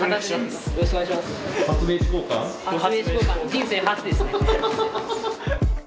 人生初ですね。